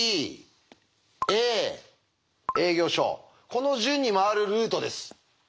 この順に回るルートです。